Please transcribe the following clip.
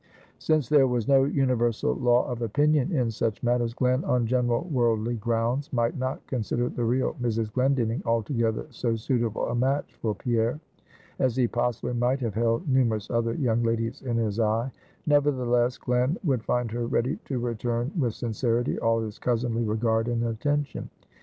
Since there was no universal law of opinion in such matters, Glen, on general worldly grounds, might not consider the real Mrs. Glendinning altogether so suitable a match for Pierre, as he possibly might have held numerous other young ladies in his eye: nevertheless, Glen would find her ready to return with sincerity all his cousinly regard and attention.